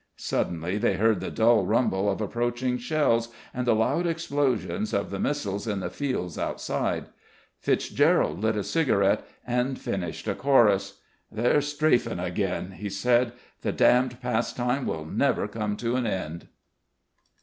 Suddenly they heard the dull rumble of approaching shells and the loud explosions of the missiles in the fields outside. Fitzgerald lit a cigarette and finished a chorus. "They're strafing again," he said. "The damned pastime will never come to an end."